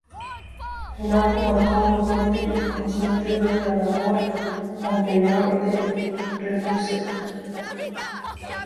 El álbum marcó un fuerte y consciente de la labor anterior de Refused.